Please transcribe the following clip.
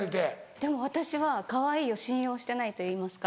でも私は「かわいい」を信用してないといいますか。